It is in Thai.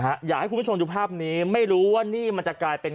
อยากให้คุณผู้ชมดูภาพนี้ไม่รู้ว่านี่มันจะกลายเป็น